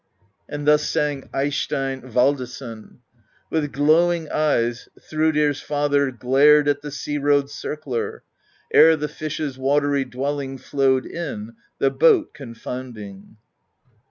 And thus sang Eysteinn Valdason: With glowing eyes Thrudr's Father Glared at the sea road's circler. Ere the fishes' watery dwelling Flowed in, the boat confounding.